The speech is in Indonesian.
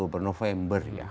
oktober november ya